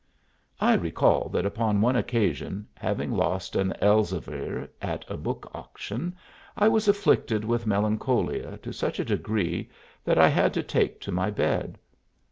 I recall that upon one occasion, having lost an Elzevir at a book auction, I was afflicted with melancholia to such a degree that I had to take to my bed.